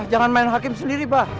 jangan main hakim sendiri pak